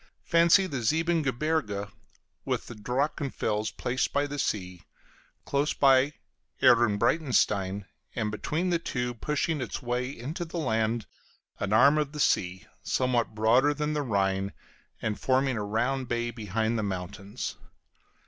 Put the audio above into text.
Fancy the Siebengebirge with the Drachenfels placed by the sea; close by, Ehrenbreitstein, and between the two, pushing its way into the land, an arm of the sea, somewhat broader than the Rhine, and forming a round bay behind the mountains.